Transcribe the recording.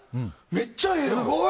めっちゃええやん！